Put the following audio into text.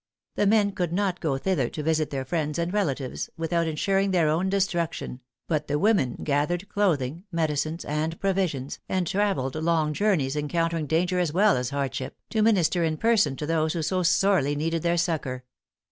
The men could not go thither to visit their friends and relatives, without insuring their own destruction; but the women gathered clothing, medicines, and provisions, and travelled long journeys, encountering danger as well as hardship, to minister in person to those who so sorely needed their succor.